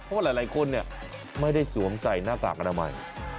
เพราะว่าหลายคนไม่ได้สวมใส่หน้ากากอนามัย